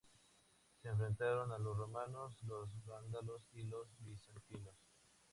Se enfrentaron a los romanos, los vándalos y los bizantinos.